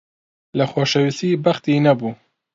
لە خۆشەویستی بەختی نەبوو.